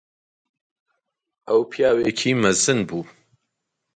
ئەو پیاوێکی مەزن بوو.